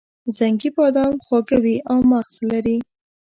زنګي بادام خواږه وي او مغز لري.